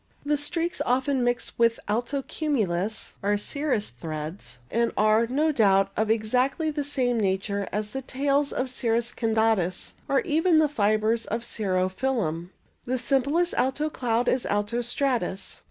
The streaks often mixed with alto cumulus are cirrus threads, and are, no doubt, of exactly the same nature as the tails of cirrus candatus, or even the fibres of cirro filum. The simplest alto cloud is alto stratus.